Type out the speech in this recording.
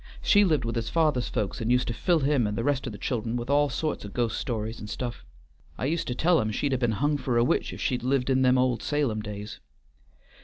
She lived with his father's folks, and used to fill him and the rest o' the child'n with all sorts o' ghost stories and stuff. I used to tell him she'd a' be'n hung for a witch if she'd lived in them old Salem days.